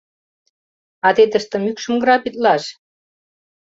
— А те тыште мӱкшым грабитлаш!